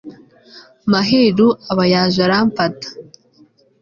maheru aba yaje aramfata